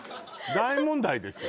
大問題ですよ